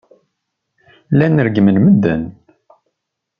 Llan reggmen medden.